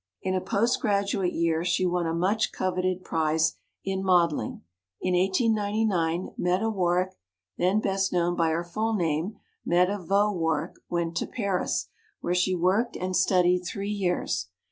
In a post graduate year she won a much coveted prize in modeling. In 1899 Meta Warrick (then best known by her full name, Meta Vaux Warrick) went to Paris, where she worked and studied three years.